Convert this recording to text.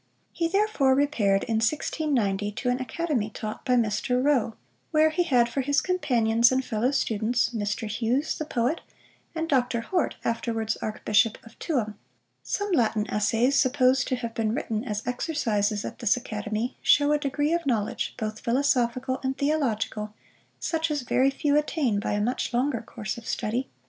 He therefore repaired in 1690 to an academy taught by Mr. Rowe, where he had for his companions and fellow students Mr. Hughes the poet, and Dr. Horte, afterwards Archbishop of Tuam. Some Latin essays, supposed to have been written as exercises at this academy, shew a degree of knowledge, both philosophical and theological, such as very few attain by a much longer course of study.